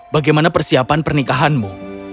bagaimana persiapan pernikahanmu